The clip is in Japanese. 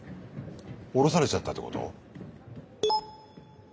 降ろされちゃったってこと？